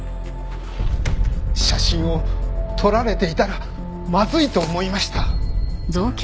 写真を撮られていたらまずいと思いました。